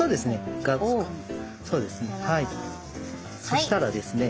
そしたらですね